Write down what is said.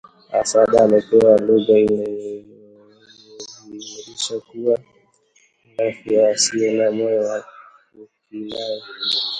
Hasada amepewa lugha inayomdhihirisha kuwa mlafi na asiye na moyo wa kukinai